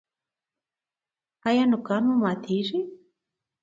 ایا نوکان مو ماتیږي؟